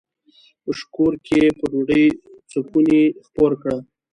په شکور کښې په ډوډو څپُوڼے خپور کړه۔